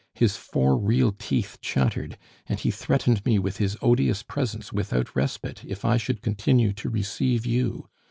His four real teeth chattered, and he threatened me with his odious presence without respite if I should continue to receive you.